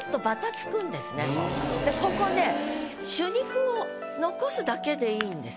ここね「朱肉」を残すだけでいいんです。